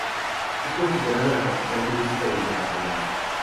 Es considerado la capital turística del Departamento.